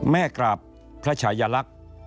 กราบพระชายลักษณ์